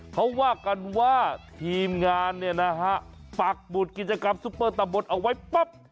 เขาว่ากันว่าทีมงานเนี่ยนะฮะปักหมุดกิจกรรมซุปเปอร์ตะบนเอาไว้ปั๊บ